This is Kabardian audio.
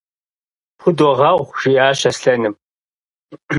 – Пхудогъэгъу, – жиӀащ Аслъэным.